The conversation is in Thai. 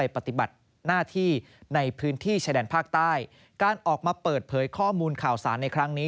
ภาคใต้การออกมาเปิดเผยข้อมูลข่าวสารในครั้งนี้